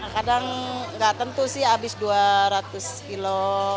kadang nggak tentu sih habis dua ratus kilo